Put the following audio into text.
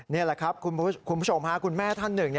นี่แหละครับคุณผู้ชมค่ะคุณแม่ท่านหนึ่ง